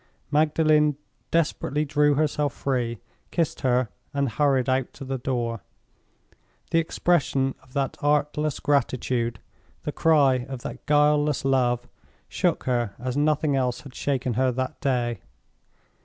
Magdalen desperately drew herself free—kissed her—and hurried out to the door. The expression of that artless gratitude, the cry of that guileless love, shook her as nothing else had shaken her that day.